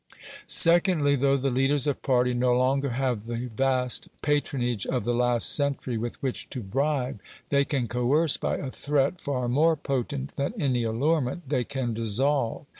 Secondly, though the leaders of party no longer have the vast patronage of the last century with which to bribe, they can coerce by a threat far more potent than any allurement they can dissolve.